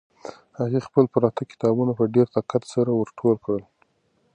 هغې خپل پراته کتابونه په ډېر دقت سره ور ټول کړل.